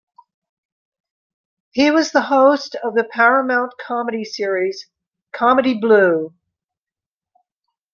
He was the host of the Paramount comedy series "Comedy Blue".